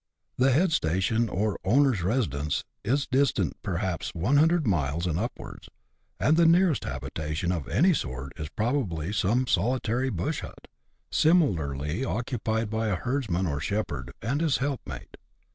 The head station, or owner's residence, is distant perhaps 100 miles and upwards, and the nearest habitation of any sort is probably some solitary bush hut, similarly occupied by a herdsman or shepherd, and his helpmate.